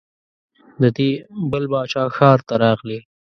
د دې بل باچا ښار ته راغلې.